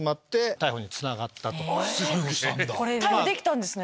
逮捕できたんですね！